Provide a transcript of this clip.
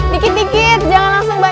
dikit dikit jangan langsung